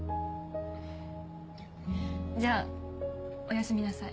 じゃあおやすみなさい。